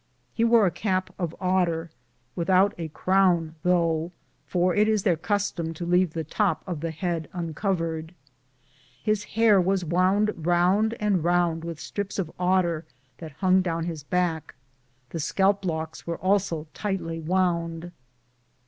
He wore a cap of otter, without a crown, though, for it is their custom to leave the top of the head uncovered. His hair was wound round and round with strips of otter that hung down his back; the scalp lock was also tightly wound.